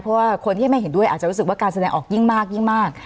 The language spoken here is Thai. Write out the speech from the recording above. เพราะว่าคนที่ไม่เห็นด้วยอาจจะรู้สึกว่าการแสดงออกยิ่งมากยิ่งมาก